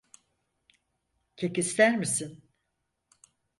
Kek ister misin?